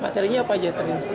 materinya apa aja